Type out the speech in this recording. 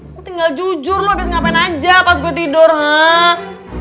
lo tinggal jujur lo abis ngapain aja pas gue tidur hah